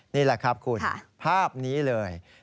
นี่แหละครับคุณภาพนี้เลย